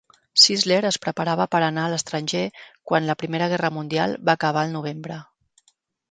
Sisler es preparava per anar a l'estranger quan la primera Guerra Mundial va acabar el novembre.